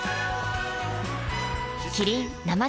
キリン「生茶」